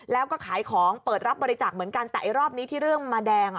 แล้วก็ขายของเปิดรับบริจาคเหมือนกันแต่ไอ้รอบนี้ที่เรื่องมาแดงอ่ะ